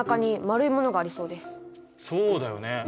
そうだよね。